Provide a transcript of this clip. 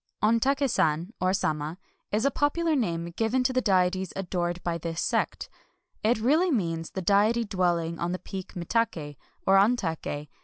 "Ontak^ San" (or "Sama") is a popular name given to the deities adored by this sect. It really means the Deity dwelling on the peak Mitak^, or Ontak^.